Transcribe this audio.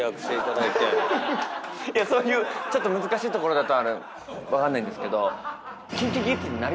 そういう難しいところだと分かんないんですけど。